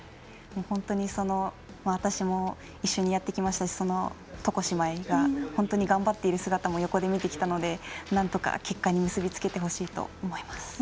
本当に私も一緒にやってきましたしその床姉妹が本当に頑張っている姿も横で見てきたのでなんとか結果に結びつけてほしいと思います。